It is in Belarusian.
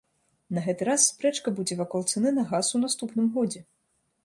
На гэты раз спрэчка будзе вакол цаны на газ у наступным годзе.